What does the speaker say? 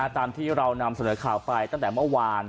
ตามที่เรานำเสนอข่าวไปตั้งแต่เมื่อวาน